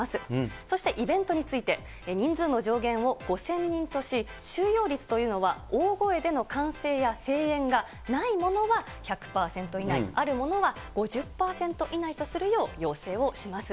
そしてイベントについて、人数の上限を５０００人とし、収容率というのは大声での歓声や声援がないものは１００％以内、あるものは５０％以内とするよう要請をします。